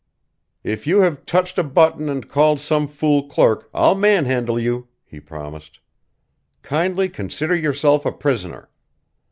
"If you have touched a button and called some fool clerk, I'll manhandle you!" he promised. "Kindly consider yourself a prisoner!"